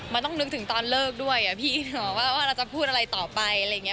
มันต้องนึกถึงตอนเลิกด้วยอะพี่ว่าเราจะพูดอะไรต่อไปอะไรอย่างนี้